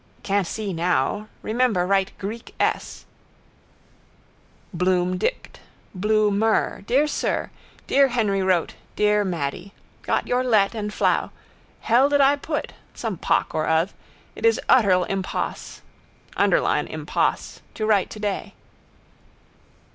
_ Can't see now. Remember write Greek ees. Bloom dipped, Bloo mur: dear sir. Dear Henry wrote: dear Mady. Got your lett and flow. Hell did I put? Some pock or oth. It is utterl imposs. Underline imposs. To write today.